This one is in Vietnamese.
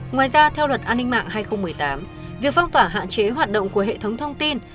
ngoài ra theo luật an ninh mạng hai nghìn một mươi tám việc phong tỏa hạn chế hoạt động của hệ thống thông tin